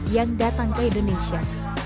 yang datang ke indonesia